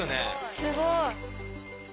すごい！